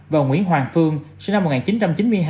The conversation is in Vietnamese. và nguyễn hoàng phương sinh năm một nghìn chín trăm chín mươi hai